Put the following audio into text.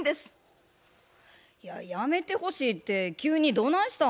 いややめてほしいって急にどないした？